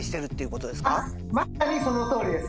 まさにそのとおりです。